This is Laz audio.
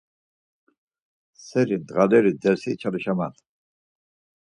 Seri dğaleri dersi içalişaman.